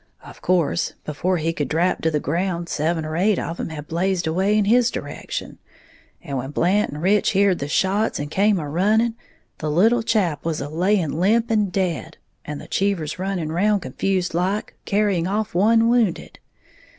Of course before he could drap to the ground, seven or eight of 'em had blazed away in his direction; and when Blant and Rich heared the shots and come a running, the little chap was a laying limp and dead, and the Cheevers running round confused like, carrying off one wounded.